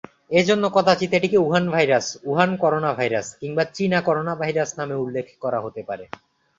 এজন্য কদাচিৎ এটিকে "উহান ভাইরাস", "উহান করোনাভাইরাস" কিংবা "চীনা করোনাভাইরাস" নামেও উল্লেখ করা হতে পারে।